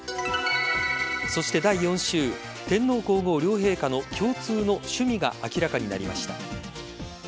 そして第４週天皇皇后両陛下の共通の趣味が明らかになりました。